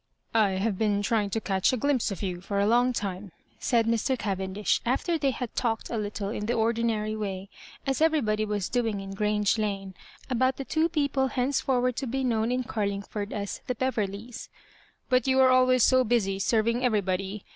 I have been trying to catch a glimpse of you for a long time/' said Mr. Cavendish, after they had talked a little in the ordinary way, as every bod V was doing in Grange Lane, about the two people henceforward to be known in Carliog ford as the " Beverleys." " But you are always so busy .serving everybody.